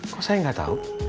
kok saya gak tau